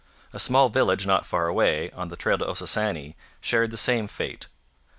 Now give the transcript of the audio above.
A small village not far away, on the trail to Ossossane, shared the same fate.